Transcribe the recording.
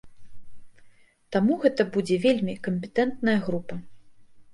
Таму гэта будзе вельмі кампетэнтная група.